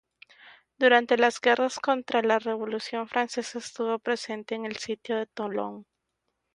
Durante las guerras contra la Revolución Francesa estuvo presente en el sitio de Tolón.